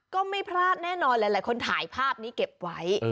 ก็ไม่พลาดแน่นอนหลายคนถ่ายภาพนี้เก็บไว้